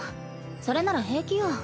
それなら平気よ。